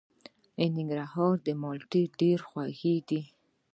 د ننګرهار مالټې ډیرې خوږې دي.